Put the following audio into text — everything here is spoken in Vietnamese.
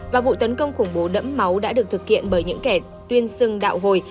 và vụ tấn công khủng bố đẫm máu đã được thực hiện bởi những kẻ tuyên xưng đạo hồi